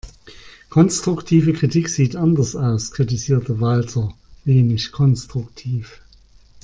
Konstruktive Kritik sieht anders aus, kritisierte Walter wenig konstruktiv.